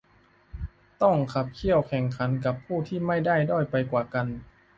ต้องขับเคี่ยวแข่งขันกับผู้ที่ไม่ได้ด้อยไปกว่ากัน